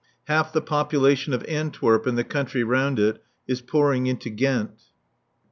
Half the population of Antwerp and the country round it is pouring into Ghent.